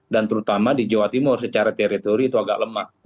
dan terutama di jawa timur secara teritori itu agak lemah